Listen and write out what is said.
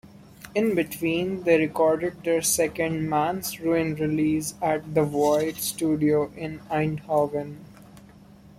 In between they recorded their second Man's Ruin-release at 'The Void'-studio in Eindhoven.